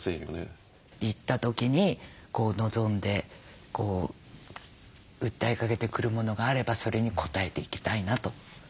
行った時に望んで訴えかけてくるものがあればそれに応えていきたいなと。